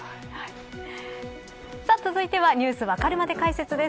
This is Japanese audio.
続いてはＮｅｗｓわかるまで解説です。